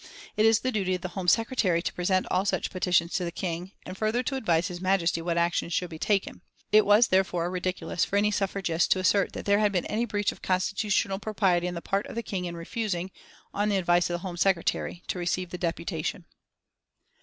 It is the duty of the Home Secretary to present all such petitions to the King, and further to advise His Majesty what action should be taken. It was therefore ridiculous for any Suffragist to assert that there had been any breach of constitutional propriety on the part of the King in refusing, on the advice of the Home Secretary to receive the deputation."